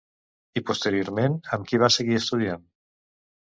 I posteriorment amb qui va seguir estudiant?